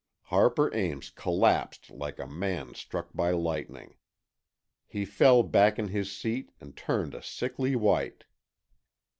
Harper Ames collapsed like a man struck by lightning. He fell back in his seat and turned a sickly white.